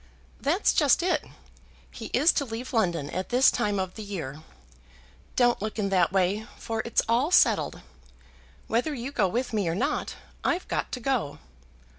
"That's just it. He is to leave London at this time of the year. Don't look in that way, for it's all settled. Whether you go with me or not, I've got to go.